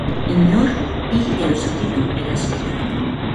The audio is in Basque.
Ez zuten inor hil edo zauritu erasoetan.